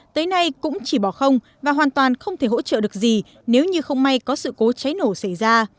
tới nay cũng chỉ bỏ không và hoàn toàn không thể hỗ trợ được gì nếu như không may có sự cố cháy nổ xảy ra